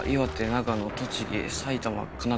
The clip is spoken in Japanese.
長野栃木埼玉神奈川。